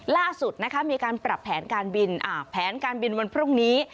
ล่าสุดนะคะมีการปรับแผนการบินแผนการบินวันพรุ่งนี้